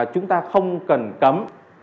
chúng ta không cần cấm